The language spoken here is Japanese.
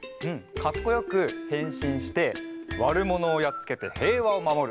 かっこよくへんしんしてわるものをやっつけてへいわをまもる！